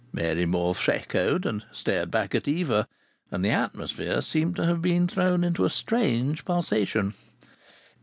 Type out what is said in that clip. Mary Morfe echoed, and stared back at Eva. And the atmosphere seemed to have been thrown into a strange pulsation.